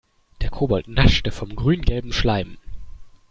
Der Kobold naschte vom grüngelben Schleim.